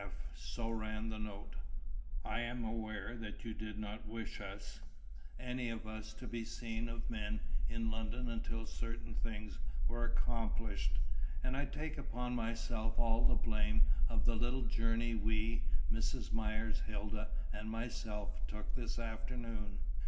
F." so ran the note "I am aware that you did not wish us, any of us, to be seen of men in London until certain things were accomplished, and I take upon myself all the blame of the little journey we, Mrs. Myers, Hilda, and myself, took this afternoon.